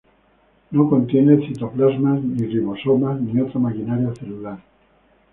No contiene citoplasma, ni ribosomas ni otra maquinaria celular.